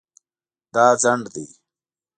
دا ځنډ دی